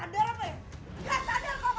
terima kasih pak